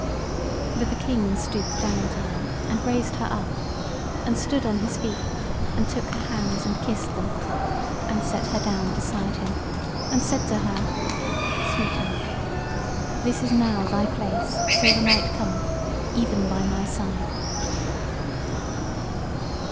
But the King stooped down to her and raised her up, and stood on his feet, and took her hands and kissed them, and set her down beside him, and said to her: "Sweetheart, this is now thy place till the night cometh, even by my side."